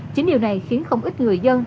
chính điều này khiến không ít người dân